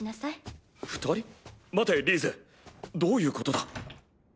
待てリーゼどういうことだ？